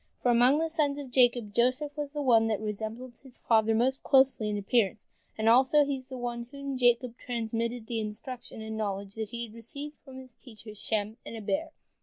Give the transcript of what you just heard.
For among the sons of Jacob Joseph was the one that resembled his father most closely in appearance, and, also, he was the one to whom Jacob transmitted the instruction and knowledge he had received from his teachers Shem and Eber.